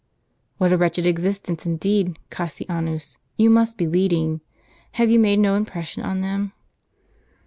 " What a wretched existence indeed, Cassianus, you must be leading! Have you made no impression on them?